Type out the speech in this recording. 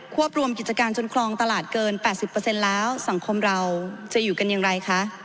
วบรวมกิจการจนคลองตลาดเกิน๘๐แล้วสังคมเราจะอยู่กันอย่างไรคะ